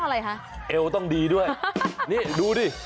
อะไรคะเอวต้องดีด้วยนี่ดูดิ